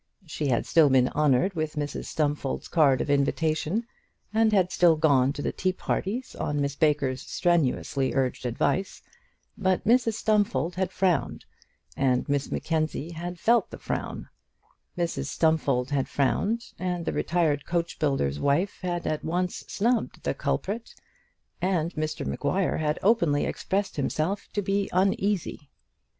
She had still been honoured with Mrs Stumfold's card of invitation, and had still gone to the tea parties on Miss Baker's strenuously urged advice; but Mrs Stumfold had frowned, and Miss Mackenzie had felt the frown; Mrs Stumfold had frowned, and the retired coachbuilder's wife had at once snubbed the culprit, and Mr Maguire had openly expressed himself to be uneasy.